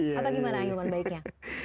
atau gimana ilmuwan baiknya